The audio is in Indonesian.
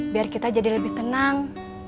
biar kita jadi lebih tenang